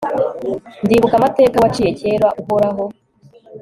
ndibuka amateka waciye kera, uhoraho